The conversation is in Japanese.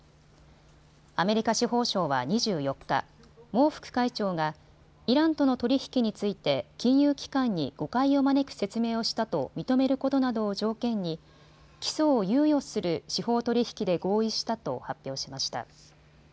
アメリカ司法省は２４日、孟副会長がイランとの取り引きについて金融機関に誤解を招く説明をしたと認めることなどを条件に起訴を猶予する司法取引で合意したと発表しました。